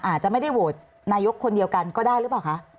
อาจจะไม่ได้โหวตนายกคนเดียวกันก็ได้หรือเปล่าคะ